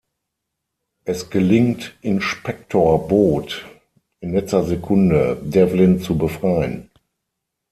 Es gelingt Inspektor Boot in letzter Sekunde, Devlin zu befreien.